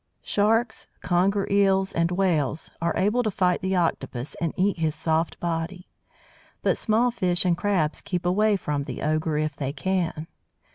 Sharks, Conger Eels, and Whales are able to fight the Octopus and eat his soft body; but small fish and Crabs keep away from the ogre if they can.